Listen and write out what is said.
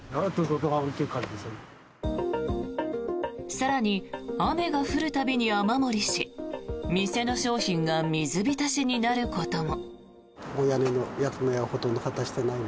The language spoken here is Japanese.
更に、雨が降る度に雨漏りし店の商品が水浸しになることも。